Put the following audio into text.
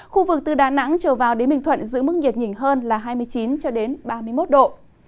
khu vực từ đà nẵng trở vào đến bình thuận giữ mức nhiệt nhỉnh hơn là hai mươi chín ba mươi một độ